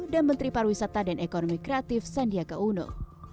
dan menteri parwisata dan ekonomi kreatif sandiaka uno